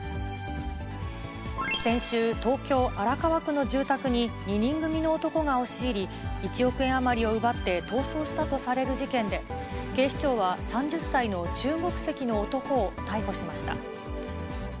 先週、東京・荒川区の住宅に、２人組の男が押し入り、１億円余りを奪って逃走したとされる事件で、警視庁は３０歳の中国籍の男を逮捕しました。